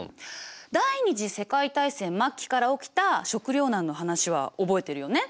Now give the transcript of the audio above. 第二次世界大戦末期から起きた食糧難の話は覚えてるよね？